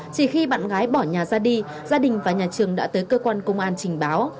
chỉ khi bạn gái bỏ nhà ra đi gia đình và nhà trường đã tới cơ quan công an trình báo